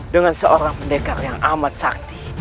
dengan seorang pendekar yang amat sakti